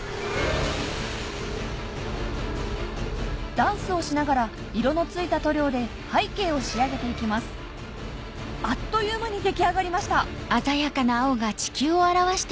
ダンスをしながら色の付いた塗料で背景を仕上げていきますあっという間に出来上がりました